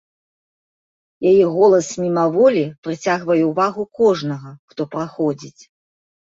Яе голас мімаволі прыцягвае ўвагу кожнага, хто праходзіць.